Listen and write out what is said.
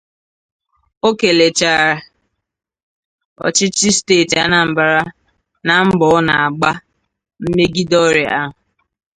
O kèlèrè ọchịchị steeti Anambra na mbọ ọ na-agba nmegide ọrịa ahụ